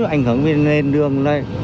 ảnh hưởng về đường